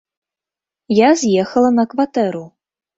Я з'ехала на кватэру.